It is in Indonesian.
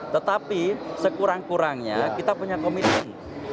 tetapi sekurang kurangnya kita punya komitmen